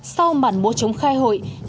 sau màn múa chống khai hội